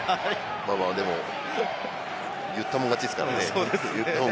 まあまあ、でも言ったもん勝ちですからね。